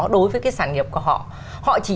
đối với cái sản nghiệp của họ họ chỉ